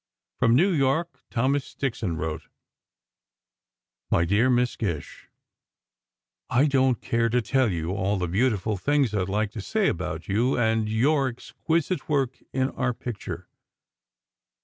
From New York, Thomas Dixon wrote: My dear Miss Gish: I don't care to tell you all the beautiful things I'd like to say about you and your exquisite work in our picture....